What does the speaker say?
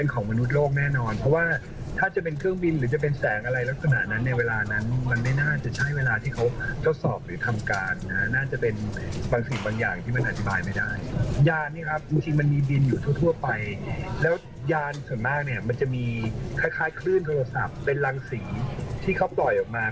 คือคุณพีชเขาพูดในลักษณะที่ว่า